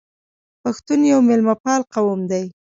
پښتون یو میلمه پال قوم دی.